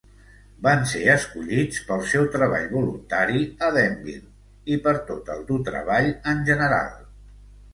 Van ser escollits pel seu treball voluntari a Denville, i per tot el dur treball en general.